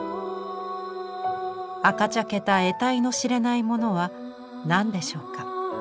赤茶けた得体の知れないものは何でしょうか。